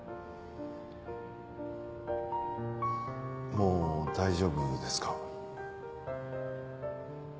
もう大丈夫ですか？